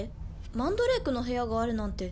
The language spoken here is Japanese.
マンドレークの部屋があるなんて